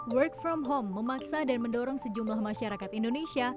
work from home memaksa dan mendorong sejumlah masyarakat indonesia